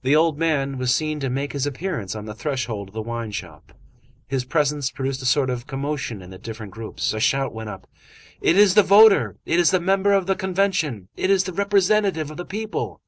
the old man was seen to make his appearance on the threshold of the wine shop. His presence produced a sort of commotion in the different groups. A shout went up:— "It is the voter! It is the member of the Convention! It is the representative of the people!"